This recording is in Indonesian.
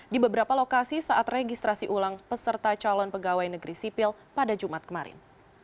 di beberapa lokasi saat registrasi ulang peserta calon pegawai negeri sipil pada jumat kemarin